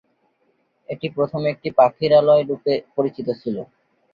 এটি প্রথমে একটি পাখিরালয় রূপে পরিচিত ছিল।